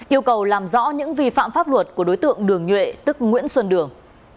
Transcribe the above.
yêu cầu làm rõ những vi phạm pháp luật của đối tượng đường nhuệ tức nguyễn xuân đường